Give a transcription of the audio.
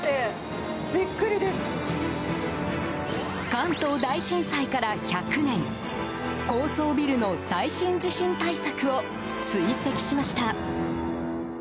関東大震災から１００年高層ビルの最新地震対策を追跡しました。